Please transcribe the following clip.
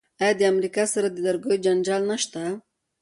آیا د امریکا سره د لرګیو جنجال نشته؟